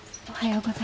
おはよう。